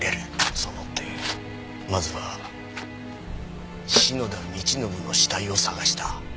そう思ってまずは篠田道信の死体を捜した。